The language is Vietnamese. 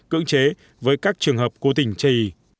cưỡng chế với các trường hợp cố tình chày